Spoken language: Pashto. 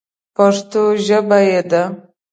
پښتو ژبه یې ده.